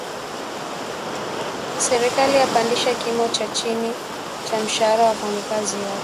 Serikali yapandisha kimo cha chini cha mshahara wa wafanyakazi wake